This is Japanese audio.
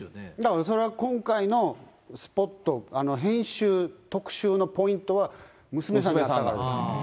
それは今回のスポット、編集、特集のポイントは娘さんだからです。